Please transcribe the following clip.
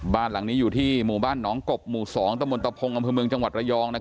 บ้านหลังนี้อยู่ที่หมู่บ้านหนองกบหมู่๒ตะมนตะพงอำเภอเมืองจังหวัดระยอง